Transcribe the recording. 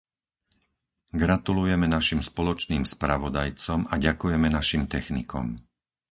Gratulujeme našim spoločným spravodajcom a ďakujeme našim technikom.